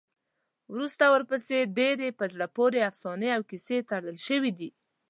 وروسته ورپسې ډېرې په زړه پورې افسانې او کیسې تړل شوي دي.